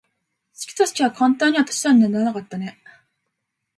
好きと好きは簡単には足し算にはならなかったね。